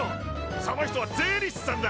その人は税理士さんだ。